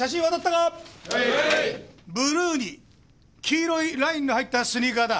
ブルーに黄色いラインが入ったスニーカーだ。